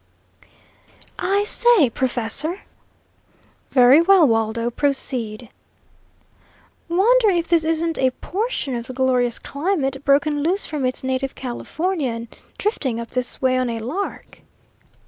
"I say, professor?" "Very well, Waldo; proceed." "Wonder if this isn't a portion of the glorious climate, broken loose from its native California, and drifting up this way on a lark?"